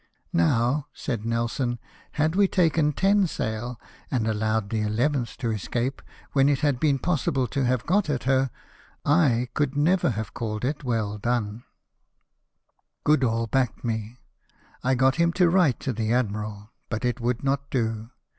"Now," said Nelson, "had we taken ten sail, and allowed the eleventh to escape, Avhen it had been possible to have got at her, I could never have called it well done. 80 LIFE OF NELSON. Goodall backed me : I got him to write to the admiral ; but it would not do.